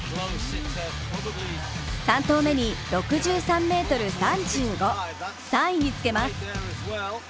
３投目に、６３ｍ３５、３位につけます。